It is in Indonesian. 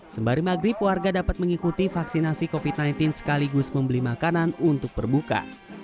sembari maghrib warga dapat mengikuti vaksinasi covid sembilan belas sekaligus membeli makanan untuk berbuka